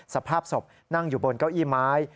สภาพศพนั่งอยู่บนเก้าอี้ไม้